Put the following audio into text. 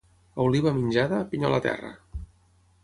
Oliva menjada, pinyol a terra.